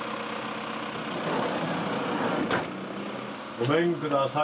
ごめんください。